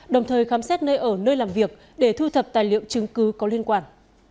đồng thời khám xét nơi ở nơi làm việc để thu thập tài liệu chứng cứ có liên quan